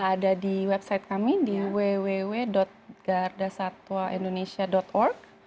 ada di website kami di www gardasatwaindonesia org